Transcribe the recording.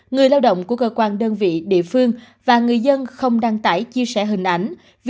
người lao động của cơ quan đơn vị địa phương và người dân không đăng tải chia sẻ hình ảnh